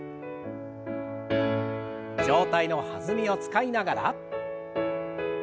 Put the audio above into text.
上体の弾みを使いながら。